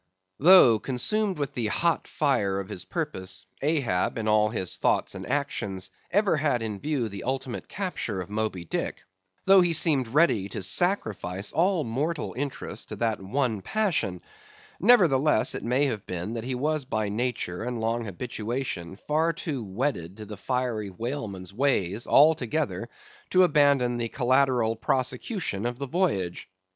Though, consumed with the hot fire of his purpose, Ahab in all his thoughts and actions ever had in view the ultimate capture of Moby Dick; though he seemed ready to sacrifice all mortal interests to that one passion; nevertheless it may have been that he was by nature and long habituation far too wedded to a fiery whaleman's ways, altogether to abandon the collateral prosecution of the voyage.